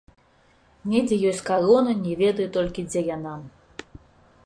Недзе ёсць карона, не ведаю толькі, дзе яна.